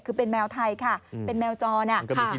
คือเป็นแมวไทยค่ะเป็นแมวจอเนี่ยค่ะ